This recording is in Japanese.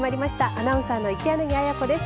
アナウンサーの一柳亜矢子です。